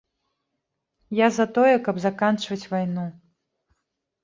Я за тое, каб заканчваць вайну.